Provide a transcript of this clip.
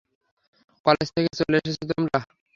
College থেকে চলে এসেছো তোমরা?